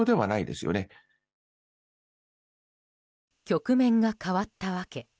局面が変わった訳。